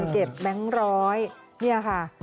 เก็บแบงค์ร้อยนี่ค่ะ